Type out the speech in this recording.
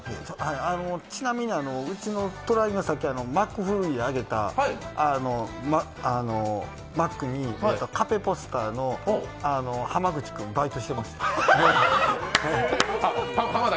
ちなみに、うちの隣のさっきマックフルーリーあげたマックで、カベポスターの浜田君、バイトしてました。